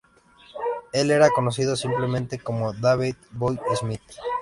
Él era conocido simplemente como Davey Boy Smith.